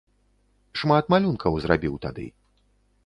Шмат малюнкаў зрабіў тады.